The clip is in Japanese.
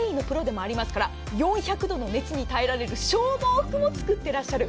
繊維のプロでもありますから４００度の熱に耐えられる消防服も作っていらっしゃる。